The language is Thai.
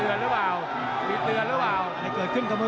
อ้าวมีเตือนรึเปล่า